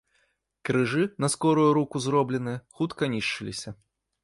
Крыжы, на скорую руку зробленыя, хутка нішчыліся.